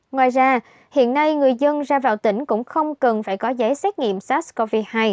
ngoài ra hiện nay người dân ra vào tỉnh cũng không cần phải có giấy xét nghiệm sars cov hai